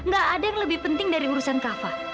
gak ada yang lebih penting dari urusan kafa